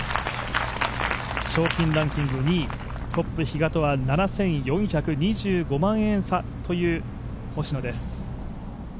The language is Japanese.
賞金ランキング２位トップ比嘉とは７４２５万円差という星野です。